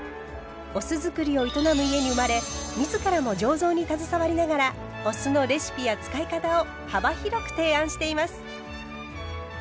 お酢造りを営む家に生まれ自らも醸造に携わりながらお酢のレシピや使い方を幅広く提案しています。